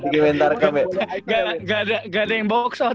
gak ada yang box out